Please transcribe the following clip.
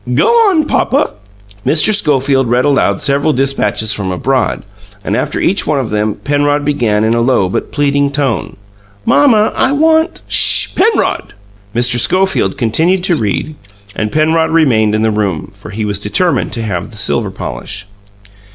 Go on, papa." Mr. Schofield read aloud several despatches from abroad, and after each one of them Penrod began in a low but pleading tone: "Mamma, I want " "SH, Penrod!" Mr. Schofield continued to read, and Penrod remained in the room, for he was determined to have the silver polish.